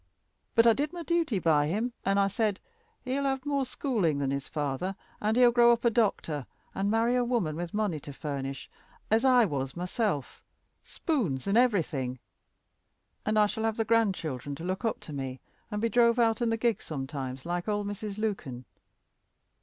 But I did my duty by him, and I said, he'll have more schooling than his father, and he'll grow up a doctor, and marry a woman with money to furnish as I was myself, spoons and everything and I shall have the grandchildren to look up to me, and be drove out in the gig sometimes, like old Mrs. Lukyn.